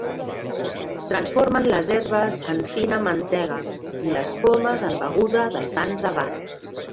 Transformen les herbes en fina mantega i les pomes en beguda de sants abats.